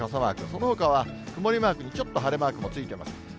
そのほかは曇りマークにちょっと晴れマークもついてます。